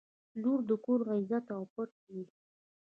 • لور د کور عزت او پت وي.